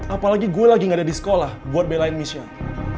apalagi gue lagi gak ada di sekolah buat belain michelle